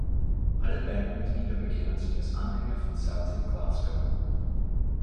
Alle Bandmitglieder bekennen sich als Anhänger von Celtic Glasgow.